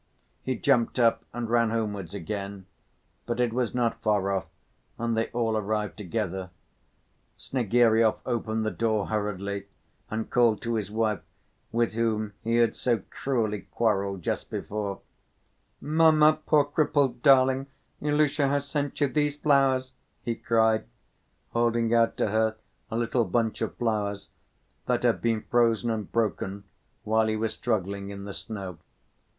He jumped up and ran homewards again. But it was not far off and they all arrived together. Snegiryov opened the door hurriedly and called to his wife with whom he had so cruelly quarreled just before: "Mamma, poor crippled darling, Ilusha has sent you these flowers," he cried, holding out to her a little bunch of flowers that had been frozen and broken while he was struggling in the snow.